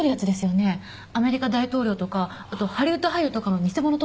アメリカ大統領とかあとハリウッド俳優とかの偽物動画